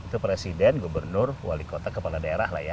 itu presiden gubernur wali kota kepala daerah lah ya